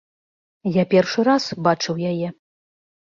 Я першы раз бачыў яе.